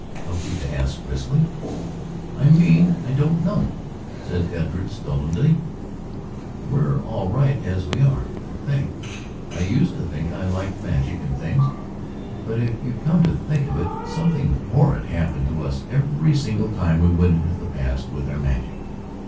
Elfrida asked briskly. "I mean I don't know," said Edred stolidly; "we're all right as we are, I think. I used to think I liked magic and things. But if you come to think of it something horrid happened to us every single time we went into the past with our magic.